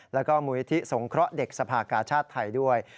และมืออิฐิสงเคราะห์เด็กสภากาชาติไทยด้วย